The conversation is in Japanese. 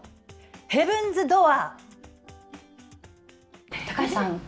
ヘブンズドア。